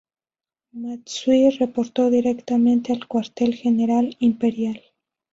Matsui reportó directamente al Cuartel General Imperial.